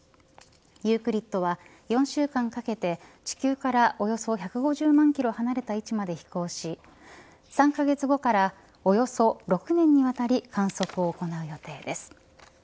ユークリッドは４週間かけて地球から、およそ１５０万キロ離れた位置まで飛行し３カ月後からおよそ６年にわたり観測を行う予定です。